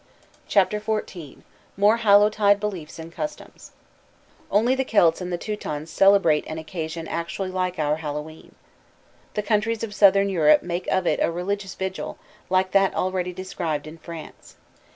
_) CHAPTER XIV MORE HALLOWTIDE BELIEFS AND CUSTOMS Only the Celts and the Teutons celebrate an occasion actually like our Hallowe'en. The countries of southern Europe make of it a religious vigil, like that already described in France.